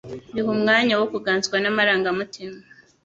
bihe umwanya wo kuganzwa n'amarangamutima.